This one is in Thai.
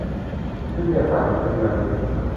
วิทยาศาสตร์ดุษฎีบัณฑิต